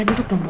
duduk dong mama